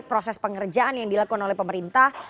proses pengerjaan yang dilakukan oleh pemerintah